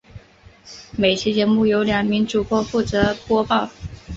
每期节目由两名主播负责播报。